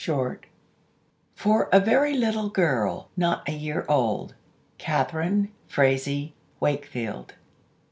Sunshine For a Very Little Girl, Not a Year Old. Catharine Frazee Wakefield.